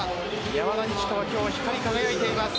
山田二千華は今日光り輝いています。